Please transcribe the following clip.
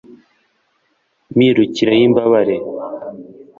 mirukiro y'imbabare